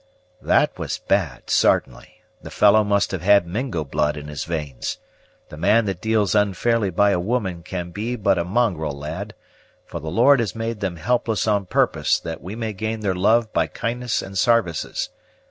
"That was bad, sartainly; the fellow must have had Mingo blood in his veins. The man that deals unfairly by a woman can be but a mongrel, lad; for the Lord has made them helpless on purpose that we may gain their love by kindness and sarvices.